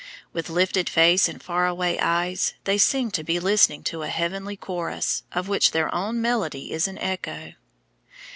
With lifted face and faraway eyes, they seem to be listening to a heavenly chorus, of which their own melody is an echo.